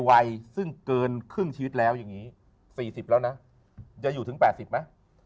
วัยซึ่งเกินครึ่งชีวิตแล้วอย่างนี้๔๐แล้วนะจะอยู่ถึง๘๐ไหม